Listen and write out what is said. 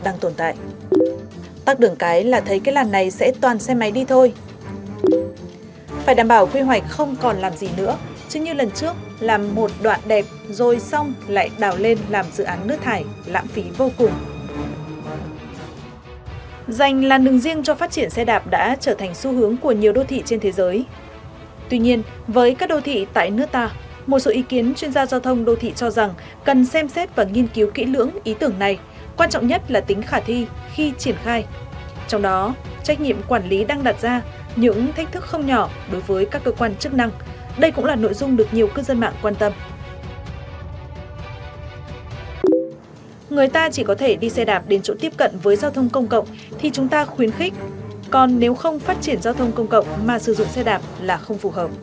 người ta chỉ có thể đi xe đạp đến chỗ tiếp cận với giao thông công cộng thì chúng ta khuyến khích còn nếu không phát triển giao thông công cộng mà sử dụng xe đạp là không phù hợp